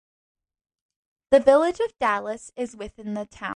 The Village of Dallas is within the town.